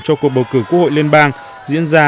cho cuộc bầu cử quốc hội liên bang diễn ra